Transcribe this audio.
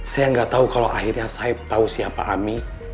saya gak tahu kalau akhirnya saeb tahu siapa ami